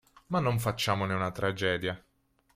Ma non facciamone una tragedia.